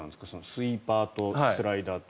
スイーパーとスライダーと。